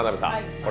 これ。